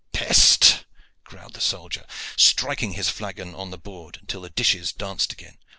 "Peste!" growled the soldier, striking his flagon on the board until the dishes danced again.